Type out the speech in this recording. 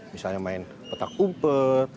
misalnya main petak umpet